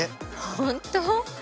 本当？